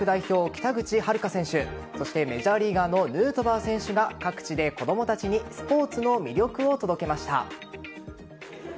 北口榛花選手そしてメジャーリーガーのヌートバー選手が各地で子供たちにスポーツの魅力を届けました。